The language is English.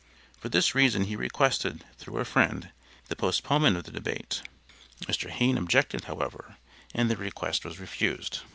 For this reason he requested, through a friend, the postponement of the debate. Mr. Hayne objected, however, and the request was refused.